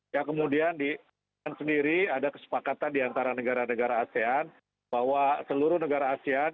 ya kemudian di asean sendiri ada kesepakatan di antara negara negara asean bahwa seluruh negara asean